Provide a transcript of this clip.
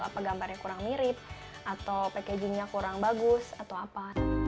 apa gambarnya kurang mirip atau packagingnya kurang bagus atau apa